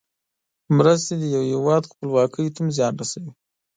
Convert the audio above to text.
مرستې د یو هېواد خپلواکۍ ته هم زیان رسوي.